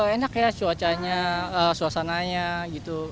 enak ya cuacanya suasananya gitu